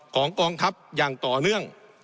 กองทัพอย่างต่อเนื่อง